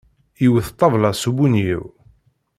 Iwet ṭṭabla-s ubunyiw.